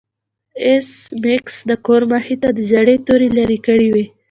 ایس میکس د کور مخې ته زړې توري لرې کړې وې